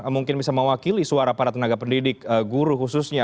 mungkin bisa mewakili suara para tenaga pendidik guru khususnya